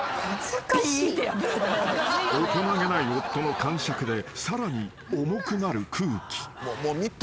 ［大人げない夫のかんしゃくでさらに重くなる空気］